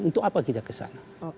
untuk apa kita ke sana